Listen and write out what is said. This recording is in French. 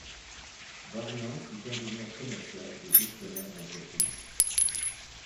Warnant fut ingénieur commercial et gestionnaire d'entreprises.